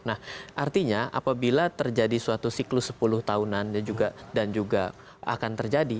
nah artinya apabila terjadi suatu siklus sepuluh tahunan dan juga akan terjadi